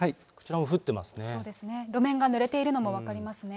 そうですね、路面がぬれているのも分かりますね。